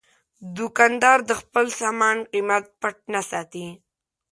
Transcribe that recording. دوکاندار د خپل سامان قیمت پټ نه ساتي.